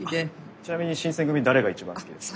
ちなみに新選組誰が一番好きですか？